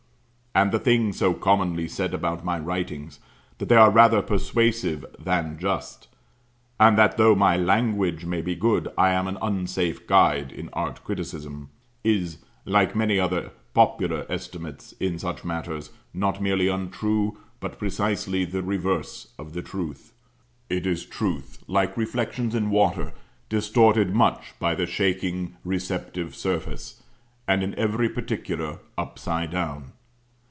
And the thing so commonly said about my writings, that they are rather persuasive than just; and that though my "language" may be good, I am an unsafe guide in art criticism, is, like many other popular estimates in such matters, not merely untrue, but precisely the reverse of the truth; it is truth, like reflections in water, distorted much by the shaking receptive surface, and in every particular, upside down.